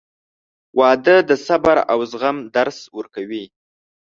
• واده د صبر او زغم درس ورکوي.